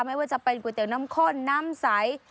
ไม่ว่าจะเป็นก๋วยเตี๋ยวน้ำข้นน้ำใส